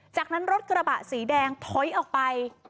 จากนั้นรถกระบะสีแดงถอยออกไป